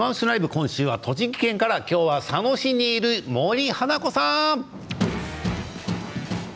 今週は栃木県から今日は佐野市にいる、森花子さん。